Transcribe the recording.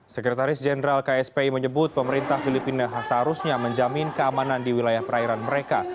sekretaris jenderal kspi menyebut pemerintah filipina seharusnya menjamin keamanan di wilayah perairan mereka